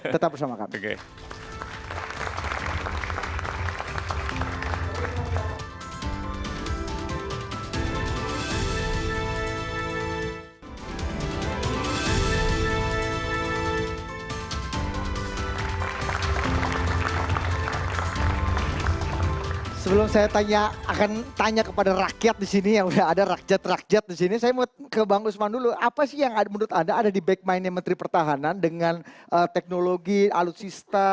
tetap bersama kami